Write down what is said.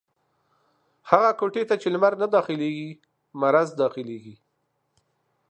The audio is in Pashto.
هغي کوټې ته چې لمر نه داخلېږي ، مرض دا خلېږي.